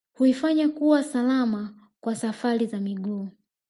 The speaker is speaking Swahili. Huifanya kuwa salama kwa safari za miguu